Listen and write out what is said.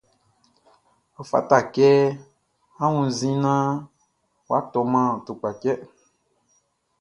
Ɔ fata kɛ a wunnzin naan wʼa tɔman tukpachtɛ.